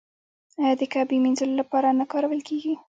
آیا د کعبې مینځلو لپاره نه کارول کیږي؟